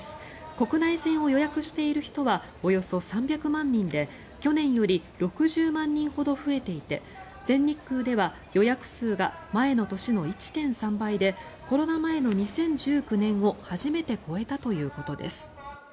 国内線を予約している人はおよそ３００万人で去年より６０万人ほど増えていて全日空では予約数が前の年の１．３倍でコロナ前の２０１９年を初めて超えたということです。